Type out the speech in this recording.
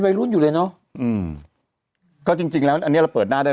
วัยรุ่นอยู่เลยเนอะอืมก็จริงจริงแล้วอันเนี้ยเราเปิดหน้าได้